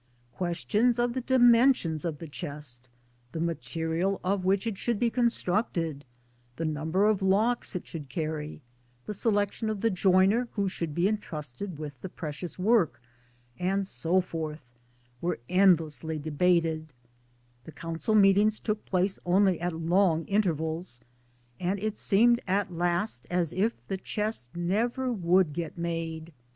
Questions of the dimensions of the chest, the material of which it should be constructed, the number of locks it should carry, the selection of the joiner who should be entrusted with the precious work and so forth, were endlessly debated ; the Council meetings took place only at long intervals and it seemed at last as if the chest never would get made.